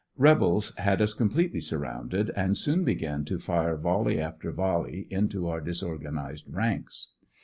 Rebels had us completely surrounded and soon began to fire voUe}^ after volley into our disorganized ranks.